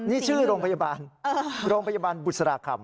นี่ชื่อโรงพยาบาลโรงพยาบาลบุษราคำ